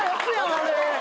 あれ。